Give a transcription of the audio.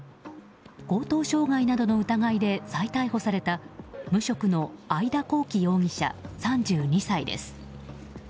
強盗傷害などの疑いで再逮捕された無職の会田幸樹容疑者３２歳です。